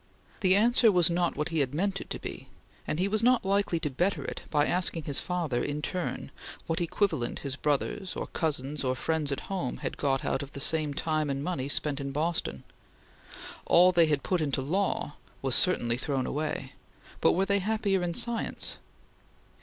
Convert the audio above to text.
The answer was not what he had meant it to be, and he was not likely to better it by asking his father, in turn, what equivalent his brothers or cousins or friends at home had got out of the same time and money spent in Boston. All they had put into the law was certainly thrown away, but were they happier in science?